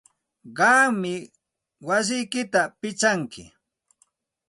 Qammi wasiyki pichanki.